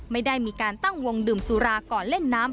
ไม่ได้มีการตั้งวงดื่มสุราก่อนเล่นน้ำ